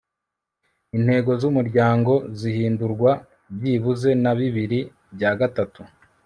intego z'umuryango zihindurwa byibuze na bibiri bya gatatu